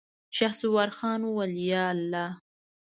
شهسوار خان وويل: ياالله.